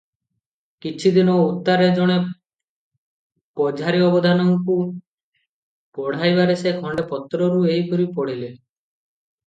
କିଛିଦିନ ଉତ୍ତାରେ ଜଣେ ପଝାରି ଅବଧାନକୁ ପଢ଼ାଇବାରେ ସେ ଖଣ୍ତେ ପତ୍ରରୁ ଏହିପରି ପଢ଼ିଲେ -